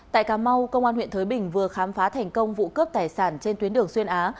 tại cà mau công an huyện thới bình vừa khám phá thành công vụ cướp tài sản trên tuyến đường xuyên á